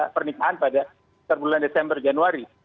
pernikahan pada bulan desember januari